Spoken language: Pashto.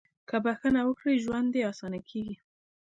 • که بښنه وکړې، ژوند دې اسانه کېږي.